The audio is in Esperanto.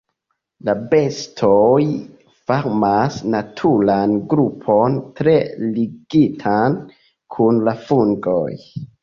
La bestoj formas naturan grupon tre ligitan kun la fungoj.